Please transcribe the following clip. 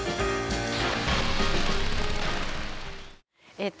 えっと